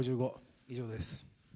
以上です。